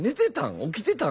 起きてたん？